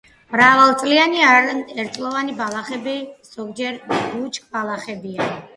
მრავალწლოვანი ან ერთწლოვანი ბალახები, ზოგჯერ ბუჩქბალახებია.